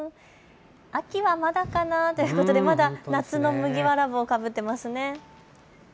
秋はまだかな？ということでまだ夏の麦わら帽をかぶっていますね。